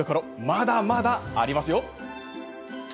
まだまだありますよ。